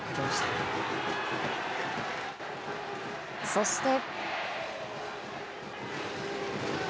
そして。